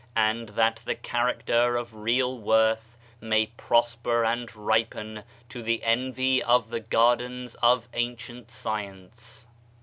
And that the character of real worth may prosper and ripen to the envy of the gardens of ancient science.